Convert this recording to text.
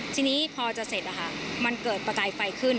ทีนี้พอจะเสร็จมันเกิดประกายไฟขึ้น